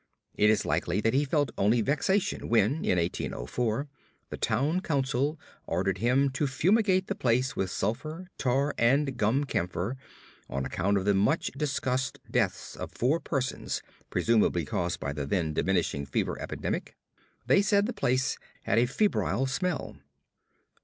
It is likely that he felt only vexation when, in 1804, the town council ordered him to fumigate the place with sulfur, tar, and gum camphor on account of the much discussed deaths of four persons, presumably caused by the then diminishing fever epidemic. They said the place had a febrile smell.